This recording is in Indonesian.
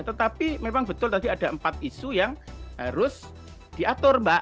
tetapi memang betul tadi ada empat isu yang harus diatur mbak